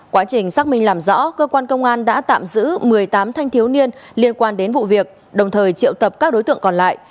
quá trình xác minh làm rõ cơ quan công an đã tạm giữ một mươi tám thanh thiếu niên liên quan đến vụ việc đồng thời triệu tập các đối tượng còn lại